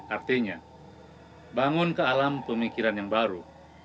artinya bangun ke alam pemikiran yang baru